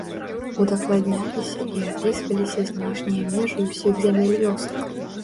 Удакладняліся і апісваліся знешнія межы ўсіх зямель вёсак.